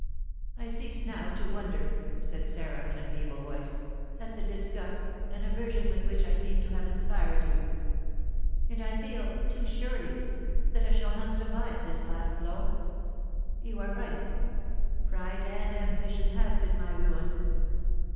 "I cease now to wonder," said Sarah, in a feeble voice, "at the disgust and aversion with which I seem to have inspired you; and I feel, too surely, that I shall not survive this last blow. You are right; pride and ambition have been my ruin.